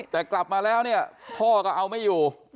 แต่กลับมาแล้วเนี่ยพ่อก็เอาไม่อยู่